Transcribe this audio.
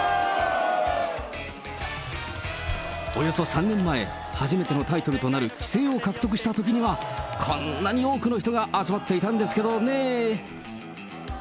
およそ３年前、初めてのタイトルとなる棋聖を獲得したときには、こんなに多くの人が集まっていたんですけどね。